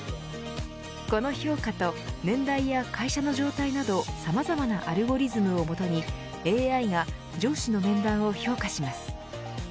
この評価と年代や会社の状態などさまざまなアルゴリズムをもとにＡＩが上司の面談を評価します。